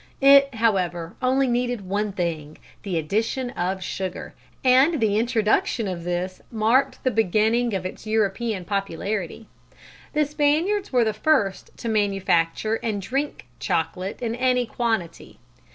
It however only needed one thing, the addition of sugar, and the introduction of this marked the beginning of its European popularity. The Spaniards were the first to manufacture and drink chocolate in any quantity.